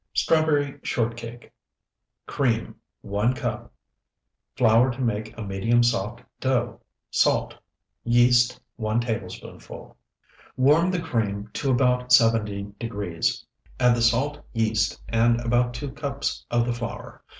STRAWBERRY SHORT CAKE Cream, 1 cup. Flour to make a medium soft dough. Salt. Yeast, 1 tablespoonful. Warm the cream to about seventy degrees, add the salt, yeast, and about two cups of the flour.